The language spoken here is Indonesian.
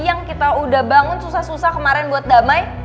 yang kita udah bangun susah susah kemarin buat damai